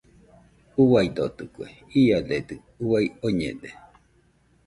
Uaidotɨkue, iadedɨ uai oñede.